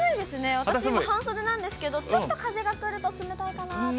私、今、半袖なんですけど、ちょっと風が来ると冷たいかなという。